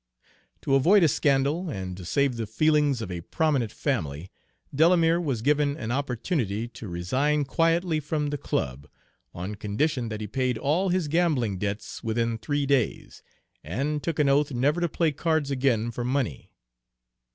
To avoid a scandal, and to save the feelings of a prominent family, Delamere was given an opportunity to resign quietly from the club, on condition that he paid all his gambling debts within three days, and took an oath never to play cards again for money.